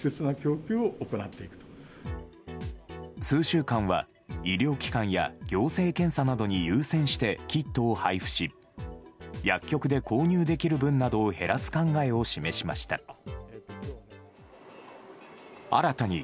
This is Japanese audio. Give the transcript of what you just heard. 数週間は医療機関や行政検査などに優先してキットを配布し薬局で購入できる分などを減らす考えを示しました。